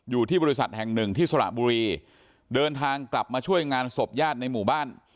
อยู่ที่บริษัทแห่งหนึ่งที่สระบุรีเดินทางกลับมาช่วยงานศพญาติในหมู่บ้าน